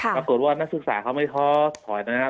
ปรากฏว่านักศึกษาเขาไม่ท้อถอยนะครับ